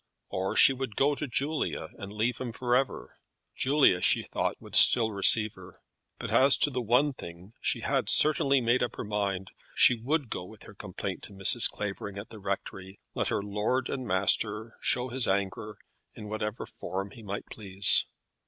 Or she would go to Julia and leave him for ever. Julia, she thought, would still receive her. But as to one thing she had certainly made up her mind; she would go with her complaint to Mrs. Clavering at the rectory, let her lord and master show his anger in whatever form he might please.